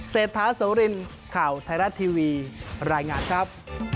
เศรษฐาโสรินข่าวไทยรัฐทีวีรายงานครับ